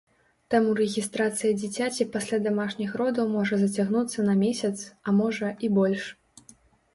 Таму рэгістрацыя дзіцяці пасля дамашніх родаў можа зацягнуцца на месяц, а можа, і больш.